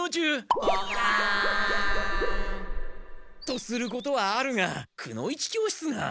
とすることはあるがくの一教室が。